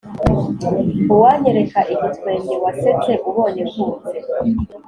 uwanyereka igitwenge wasetse ubonye mvutse